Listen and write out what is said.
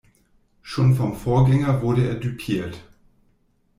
Schon vom Vorgänger wurde er düpiert.